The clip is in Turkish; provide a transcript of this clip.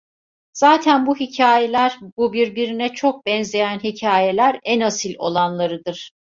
Zaten bu hikayeler, bu birbirine çok benzeyen hikayeler en asil olanlarıdır.